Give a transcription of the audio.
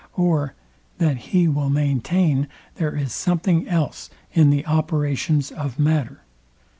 Or that he will maintain there is something else in the operations of matter.